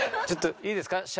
ちょっといいですか？